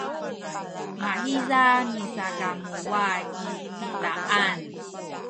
mahiza misakamuway i titaan